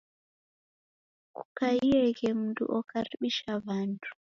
Kukaieghe mundu okaribisha w'andu